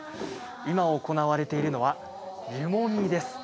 今、行われているのは湯もみです。